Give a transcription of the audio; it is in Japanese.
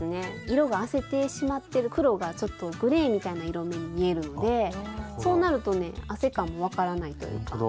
色があせてしまってる黒がちょっとグレーみたいな色目に見えるのでそうなるとね汗感もわからないというか。